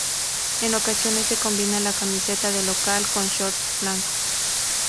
En ocasiones se combina la camiseta de local, con shorts blancos.